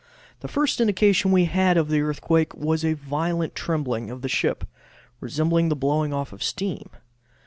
The first indication we had of the earthquake was a violent trembling of the ship, resembling the blowing off of steam.